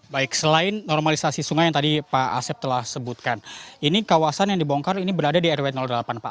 baik selain normalisasi sungai yang tadi pak asep telah sebutkan ini kawasan yang dibongkar ini berada di rw delapan pak